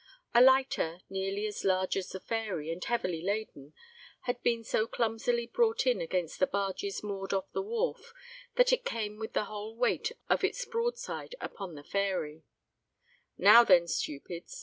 A lighter, nearly as large as the Fairy, and heavily laden, had been so clumsily brought in against the barges moored off the wharf, that it came with the whole weight of its broad side upon the Fairy. "Now then, stupids!"